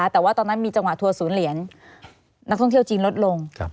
แต่ว่าตอนนั้นมีจังหวะทัวร์ศูนย์เหรียญนักท่องเที่ยวจีนลดลง